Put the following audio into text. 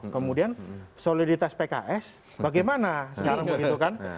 kemudian soliditas pks bagaimana sekarang begitu kan